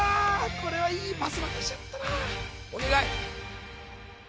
これはいいパス渡しちゃったなお願い！